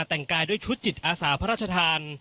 แต่งกายด้วยชุดจิตอาสาพระราชทาน